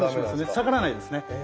下がらないですね。